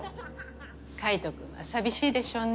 海斗君は寂しいでしょうね。